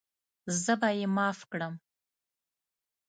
زه به یې معاف کړم.